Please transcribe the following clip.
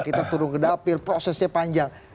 kita turun ke dapil prosesnya panjang